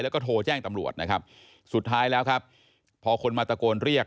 แล้วก็โทรแจ้งตำรวจนะครับสุดท้ายแล้วครับพอคนมาตะโกนเรียก